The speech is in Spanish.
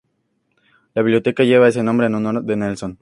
La biblioteca lleva ese nombre en honor de Nelson.